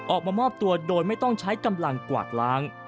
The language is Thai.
ออกมามอบตัวโดยไม่ต้องใช้กำลังกวาดล้าง